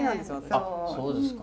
あっそうですか。